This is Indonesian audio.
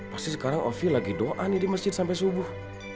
pasti sekarang ovi lagi doa nih di masjid sampai subuh